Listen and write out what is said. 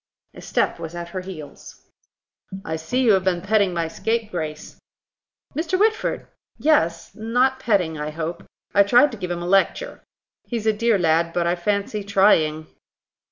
A step was at her heels. "I see you have been petting my scapegrace." "Mr. Whitford! Yes; not petting, I hope. I tried to give him a lecture. He's a dear lad, but, I fancy, trying."